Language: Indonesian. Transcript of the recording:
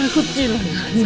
saya takut juga